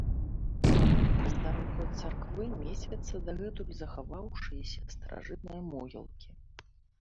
Праз дарогу ад царквы месцяцца дагэтуль захаваўшыяся старажытныя могілкі.